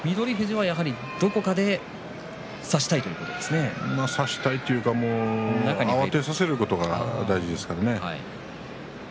富士はどこかで差したいというか慌てさせることが大事ですね。